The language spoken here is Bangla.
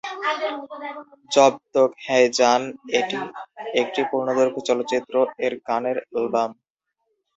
জব তক হ্যায় জান এটি একটি পূর্ণদৈর্ঘ্য চলচ্চিত্র-এর গানের অ্যালবাম।